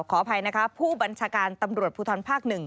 ขออภัยนะคะผู้บัญชาการตำรวจภูทรภาค๑